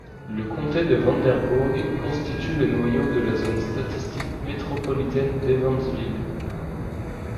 Le comté de Vanderburgh constitue le noyau de la zone statistique métropolitaine d'Evansville.